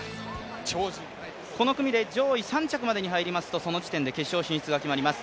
この組で上位３着までに入りますと、その時点で決勝進出が決まります。